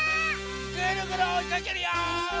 ぐるぐるおいかけるよ！